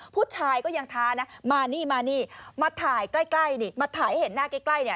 ผู้ชายก็ยังท้านะมานี่มานี่มาถ่ายใกล้ใกล้นี่มาถ่ายเห็นหน้าใกล้เนี่ย